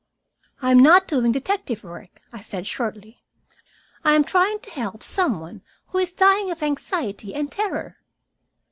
"I am not doing detective work," I said shortly. "I am trying to help some one who is dying of anxiety and terror."